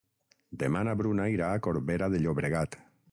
Demà na Bruna irà a Corbera de Llobregat.